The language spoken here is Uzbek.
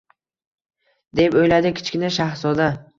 — deb o‘yladi Kichkina shahzoda.